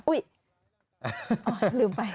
อุ๊ยลืมไป